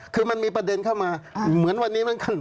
คือมันมีประเด็นเข้ามาเหมือนวันนี้เหมือนกัน